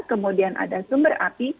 kemudian ada sumber api